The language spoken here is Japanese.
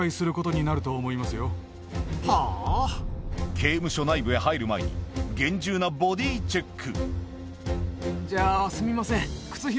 刑務所内部へ入る前に厳重なボディーチェック